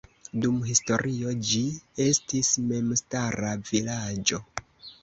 Dum historio ĝi estis memstara vilaĝo.